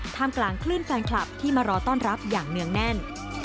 กลางคลื่นแฟนคลับที่มารอต้อนรับอย่างเนื่องแน่น